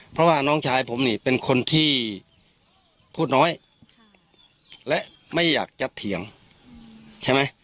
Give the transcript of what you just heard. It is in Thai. เพราะว่าน้องชายผมนี่เป็นคนที่พูดน้อยและไม่อยากจะเถียงใช่ไหม